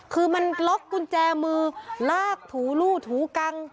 คือมันล็อกกุญแจมือลากถูลู่ถูกัง